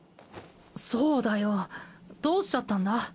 そうだよ。どうしちゃったんだ？